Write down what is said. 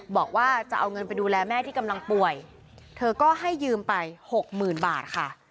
บอกว่าจะเอาเงินไปดูแลแม่ที่กำลังป่วยเธอก็ให้ยืมไปหกหมื่นบาทค่ะ